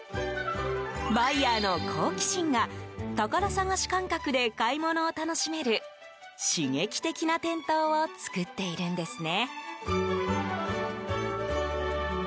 バイヤーの好奇心が宝探し感覚で買い物を楽しめる刺激的な店頭を作っているんですね。